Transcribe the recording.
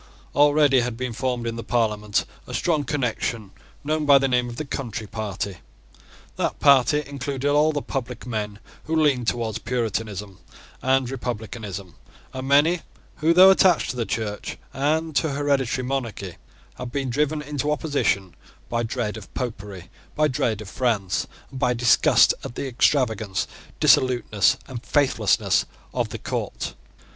Already had been formed in the Parliament a strong connection known by the name of the Country Party. That party included all the public men who leaned towards Puritanism and Republicanism, and many who, though attached to the Church and to hereditary monarchy, had been driven into opposition by dread of Popery, by dread of France, and by disgust at the extravagance, dissoluteness, and faithlessness of the court.